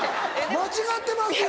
間違ってますよ。